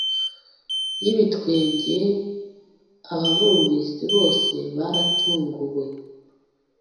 yibitwenge ababumvise bose baratunguwe